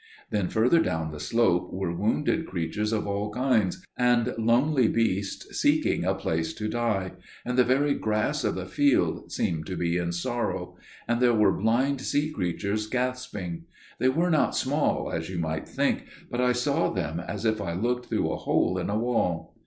"Then further down the slope were wounded creatures of all kinds, and lonely beasts seeking a place to die, and the very grass of the field seemed to be in sorrow, and there were blind sea creatures gasping. They were not small, as you might think, but I saw them as if I looked through a hole in a wall.